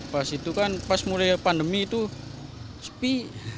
pas itu kan pas mulai pandemi itu sepi